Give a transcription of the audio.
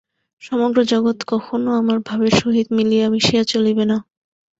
সমগ্র জগৎ কখনও আমার ভাবের সহিত মিলিয়া মিশিয়া চলিবে না।